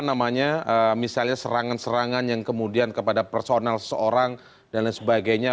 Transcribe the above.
namanya misalnya serangan serangan yang kemudian kepada personal seseorang dan lain sebagainya